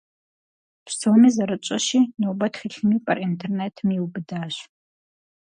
Псоми зэрытщӀэщи, нобэ тхылъым и пӀэр интернетым иубыдащ.